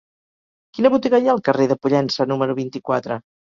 Quina botiga hi ha al carrer de Pollença número vint-i-quatre?